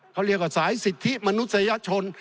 เขาเรียกว่าสายสิทธิมนุษยชน